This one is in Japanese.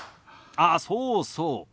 あっそうそう。